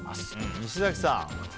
西崎さん